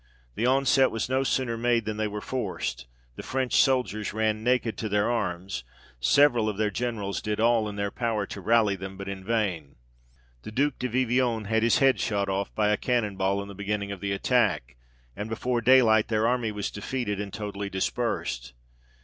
The onset was no sooner made than they were forced ; the French soldiers ran naked to their arms ; several of their Generals did all in their power to rally them, but in vain. The Duke de Vivionne had his head shot off by a cannon ball in the beginning of the attack, and before daylight their army was defeated and totally dispersed.